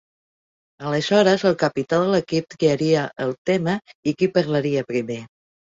Aleshores, el capità de l'equip triaria el tema i qui parlaria primer.